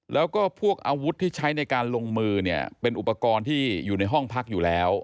แล้วก็พวกอาวุธที่ใช้ในการลงมือเนี่ยเป็นอุปกรณ์ที่อยู่ในห้องพักอยู่แล้ว